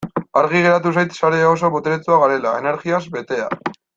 Argi geratu zait sare oso boteretsua garela, energiaz betea.